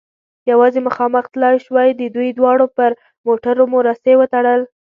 یوازې مخامخ تلای شوای، د دوی دواړو پر موټرو مو رسۍ و تړل.